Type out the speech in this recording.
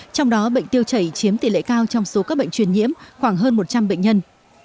trong đó bệnh tiêu chảy chiếm tỷ lệ cao trong số các bệnh truyền nhiễm khoảng hơn một trăm linh bệnh nhân